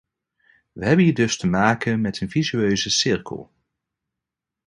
We hebben hier dus te maken met een vicieuze cirkel.